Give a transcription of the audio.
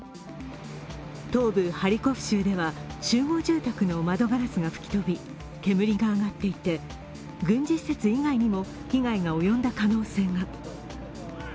東部ハリコフ州では集合住宅の窓ガラスが吹き飛び、煙が上がっていて、軍事施設以外にも被害が及んだ可能性が。